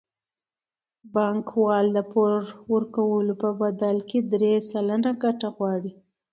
بانکوال د پور ورکولو په بدل کې درې سلنه ګټه غواړي